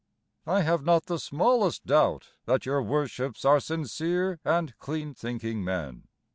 I have not the smallest doubt that your Worships Are sincere and clean thinking men.